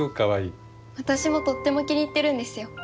私もとっても気に入ってるんですよ。